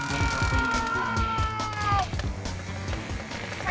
mempunyai hasiliki karyawan yang asshole